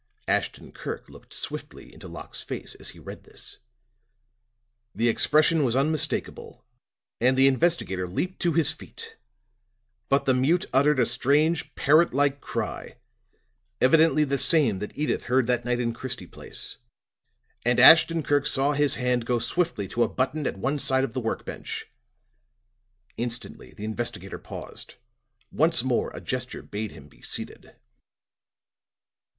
Ashton Kirk looked swiftly into Locke's face as he read this; the expression was unmistakable, and the investigator leaped to his feet. But the mute uttered a strange parrot like cry evidently the same that Edyth heard that night in Christie Place and Ashton Kirk saw his hand go swiftly to a button at one side of the work bench. Instantly the investigator paused; once more a gesture bade him be seated.